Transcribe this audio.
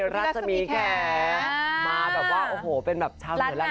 รัชมีแค่มาแบบว่าโอ้โหเป็นแบบชาวเหนือแล้ว